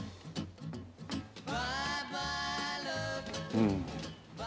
うん。